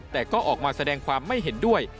แต่ก็ออกมาแสดงความไม่เห็นด้วย